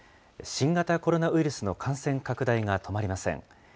新型コロナウイルスの感染拡大が止まりません。